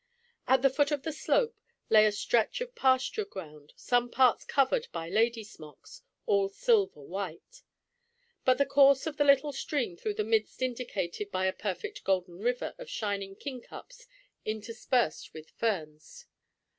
At the foot of the slope lay a stretch of pasture ground, some parts covered by "lady smocks, all silver white," with the course of the little stream through the midst indicated by a perfect golden river of shining kingcups interspersed with ferns.